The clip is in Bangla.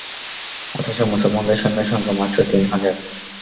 অথচ মুসলমানদের সৈন্য সংখ্যা মাত্র তিন হাজার।